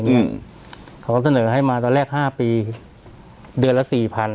อืมเขาก็เสนอให้มาตอนแรกห้าปีเดือนละสี่พัน